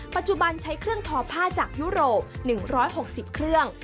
ปัจจุบันใช้เครื่องทอผ้าจากยุโรป๑๖๐เครื่อง